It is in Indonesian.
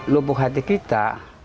lubuh hati kita